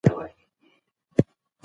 هغې نن خپلې ټولې ګولۍ نه دي خوړلې.